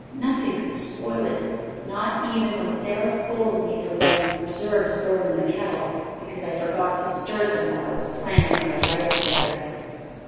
Nothing could spoil it, not even when Sara scolded me for letting the preserves burn in the kettle because I forgot to stir them while I was planning out our life together.